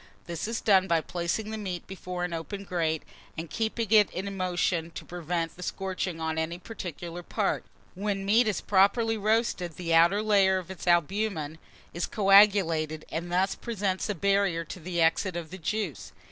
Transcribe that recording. This is done by placing the meat before an open grate, and keeping it in motion to prevent the scorching on any particular part. When meat is properly roasted, the outer layer of its albumen is coagulated, and thus presents a barrier to the exit of the juice.